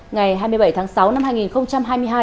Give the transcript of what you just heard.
ngày hai mươi bảy tháng sáu năm hai nghìn hai mươi hai